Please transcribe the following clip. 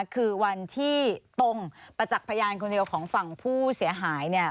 คือวันที่ตรงประจักษ์พยานคนเดียวของฝั่งผู้เสียหาย